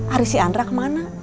ari si andra kemana